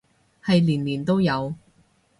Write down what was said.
係年年都有